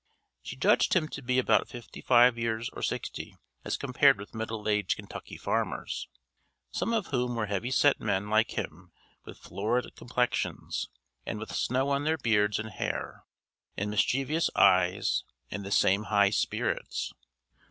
She judged him to be about fifty five years or sixty as compared with middle aged Kentucky farmers, some of whom were heavy set men like him with florid complexions, and with snow on their beards and hair, and mischievous eyes and the same high spirits.